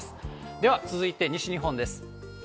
では、続いて西日本です。